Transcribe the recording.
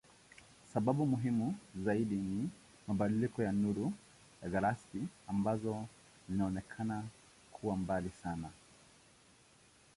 Sababu muhimu zaidi ni mabadiliko ya nuru ya galaksi ambazo zinaonekana kuwa mbali sana.